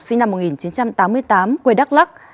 sinh năm một nghìn chín trăm tám mươi tám quê đắk lắc